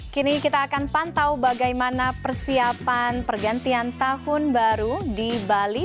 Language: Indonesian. kini kita akan pantau bagaimana persiapan pergantian tahun baru di bali